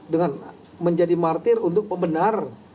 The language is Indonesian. dengan menjadi martir untuk pembenar